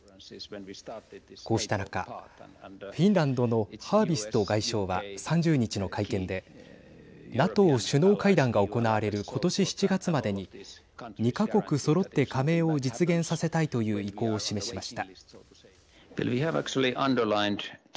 こうした中フィンランドのハービスト外相は３０日の会見でＮＡＴＯ首脳会談が行われる今年７月までに２か国そろって加盟を実現させたいという意向を示しました。